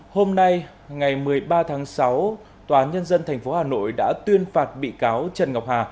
hôm nay ngày một mươi ba tháng sáu tòa nhân dân tp hà nội đã tuyên phạt bị cáo trần ngọc hà